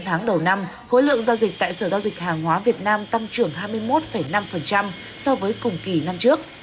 sáu tháng đầu năm khối lượng giao dịch tại sở giao dịch hàng hóa việt nam tăng trưởng hai mươi một năm so với cùng kỳ năm trước